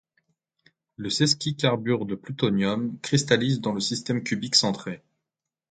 Le sesquicarbure de plutonium cristallise dans le système cubique centré.